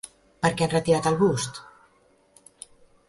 Per què han retirat el bust?